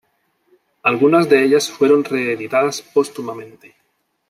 Algunas de ellas fueron reeditadas póstumamente.